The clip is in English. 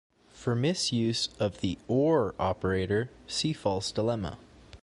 For misuse of the "or" operator, see false dilemma.